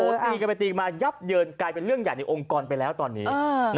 ตีกันไปตีมายับเยินกลายเป็นเรื่องใหญ่ในองค์กรไปแล้วตอนนี้